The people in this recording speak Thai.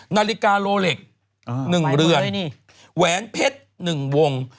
นาฬิกาโลเล็ก๑เรือนแหวนเพชร๑วง